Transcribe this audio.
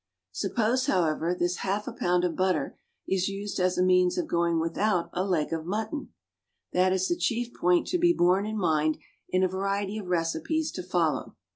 Suppose, however, this half a pound of butter is used as a means of going without a leg of mutton? That is the chief point to be borne in mind in a variety of recipes to follow.